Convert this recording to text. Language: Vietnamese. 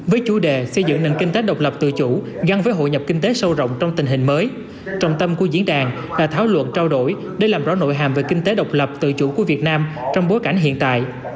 với chủ đề xây dựng nền kinh tế độc lập tự chủ gắn với hội nhập kinh tế sâu rộng trong tình hình mới trọng tâm của diễn đàn là thảo luận trao đổi để làm rõ nội hàm về kinh tế độc lập tự chủ của việt nam trong bối cảnh hiện tại